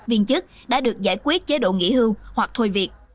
viên chức đã được giải quyết chế độ nghỉ hưu hoặc thôi việc